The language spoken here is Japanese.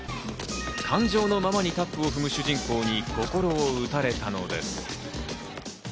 感情のままにタップを踏む主人公に心を打たれたのです。